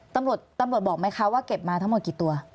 ตำรวจบอกไหมคะว่าเก็บมาทั้งหมดกี่ตัว